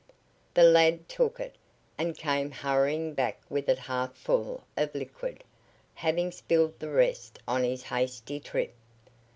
The lad took it, and came hurrying back with it half full of liquid, having spilled the rest on his hasty trip.